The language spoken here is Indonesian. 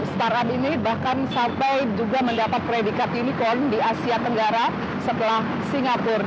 startup ini bahkan sampai juga mendapat predikat unicorn di asia tenggara setelah singapura